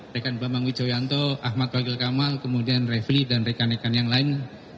rekan bambang wijayanto ahmad waghil kamal kemudian refli dan rekan rekan yang lain